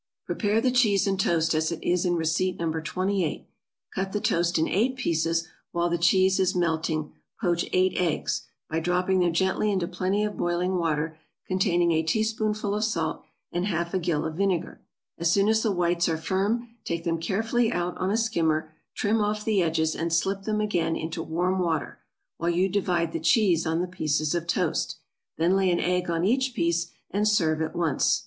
= Prepare the cheese and toast as in receipt No. 28; cut the toast in eight pieces; while the cheese is melting poach eight eggs, by dropping them gently into plenty of boiling water containing a teaspoonful of salt, and half a gill of vinegar; as soon as the whites are firm, take them carefully out on a skimmer, trim off the edges, and slip them again into warm water, while you divide the cheese on the pieces of toast; then lay an egg on each piece, and serve at once.